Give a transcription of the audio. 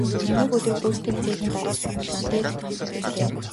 Нэг өдөр гүйцэтгэх цехийн дарга над дээр ирлээ.